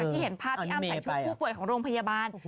พี่อ้ำถ่ายชุดผู้ป่วยของโรงพยาบาล